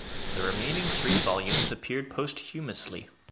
The remaining three volumes appeared posthumously.